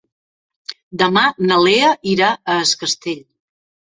Demà na Lea irà a Es Castell.